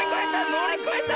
のりこえた！